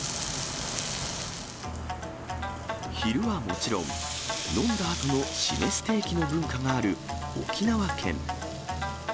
昼はもちろん、飲んだあとの締めステーキの文化がある沖縄県。